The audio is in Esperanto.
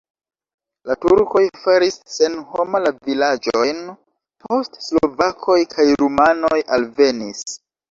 La turkoj faris senhoma la vilaĝojn, poste slovakoj kaj rumanoj alvenis.